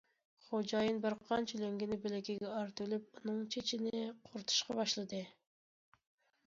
خوجايىن بىرقانچە لۆڭگىنى بىلىكىگە ئارتىۋېلىپ ئۇنىڭ چېچىنى قۇرۇتۇشقا باشلىدى.